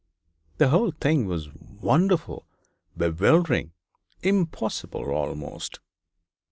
The whole thing was wonderful, bewildering, impossible almost.